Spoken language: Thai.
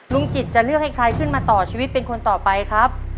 ลุงจิตจะเลือกให้ใครขึ้นมาต่อชีวิตเป็นคนต่อไปครับ